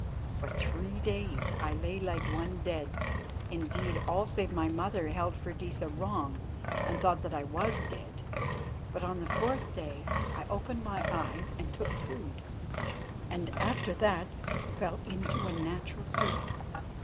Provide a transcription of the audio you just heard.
For three days I lay like one dead; indeed, all save my mother held Freydisa wrong and thought that I was dead. But on the fourth day I opened my eyes and took food, and after that fell into a natural sleep.